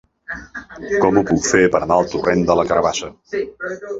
Com ho puc fer per anar al torrent de la Carabassa?